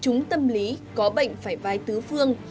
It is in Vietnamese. trong bệnh tâm lý có bệnh phải vai tứ phương